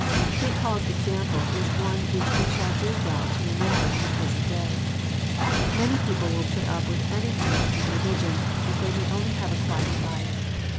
St. Paul s example is one we shall do well to remember in the present clay. Many people will put up with anything in 372 KNOTS UNTIED, religion, if they may only have a quiet life.